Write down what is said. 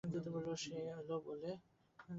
সে এল বলে!